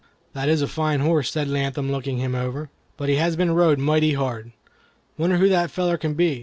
"That is a fine horse," said Latham, looking him over, "but he has been rode mighty hard. Wonder who that feller can be.